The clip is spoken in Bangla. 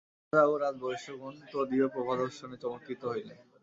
রাজা ও রাজবয়স্যগণ তদীয়প্রভাদর্শনে চমৎকৃত হইলেন।